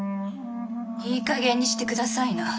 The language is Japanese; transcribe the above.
いいかげんにしてくださいな。